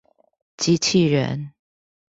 機器人